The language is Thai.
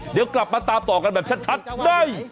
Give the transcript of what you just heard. เดี๋ยวกลับมาตามต่อกันแบบชัดได้